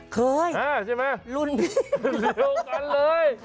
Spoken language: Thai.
เคยลูกหลันเลยใช่ไหมครับนะฮะฮะ